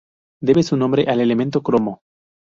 Debe su nombre al elemento cromo.